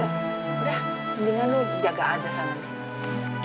udah mendingan lu jaga aja sama dia